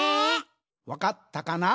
わかったかな？